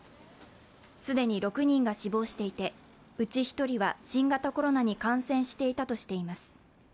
既に６人が死亡していてうち１人は新型コロナに感染していたとしています。